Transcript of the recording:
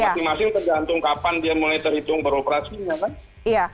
masing masing tergantung kapan dia mulai terhitung beroperasi